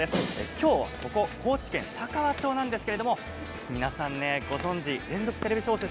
今日ここ高知県佐川町なんですけど、皆さんご存じ連続テレビ小説